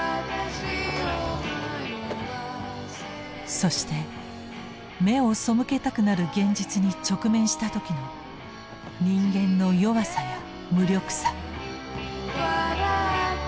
そして目を背けたくなる現実に直面した時の人間の弱さや無力さ。